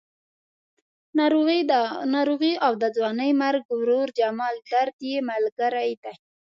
ناروغي او د ځوانې مرګ ورور جمال درد یې ملګري دي.